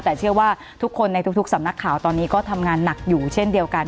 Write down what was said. แต่เชื่อว่าทุกคนในทุกสำนักข่าวตอนนี้ก็ทำงานหนักอยู่เช่นเดียวกัน